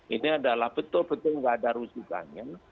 ini adalah betul betul nggak ada rujukannya